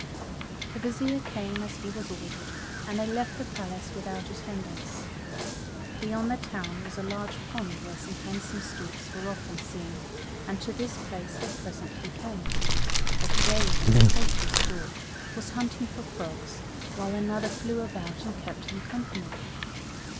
The Vizier came as he was ordered, and they left the palace without attendants. Beyond the town was a large pond where some handsome storks were often seen, and to this place they presently came. A grave and stately stork was hunting for frogs, while another flew about and kept him company.